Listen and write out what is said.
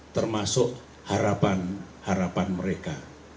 termasuk harapan harapan mereka